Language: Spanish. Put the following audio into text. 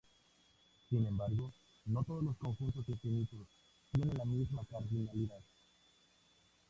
Sin embargo, no todos los conjuntos infinitos tienen la misma cardinalidad.